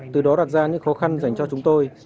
từ đó đặt ra những khó khăn dành cho chúng tôi